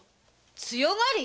強がり！？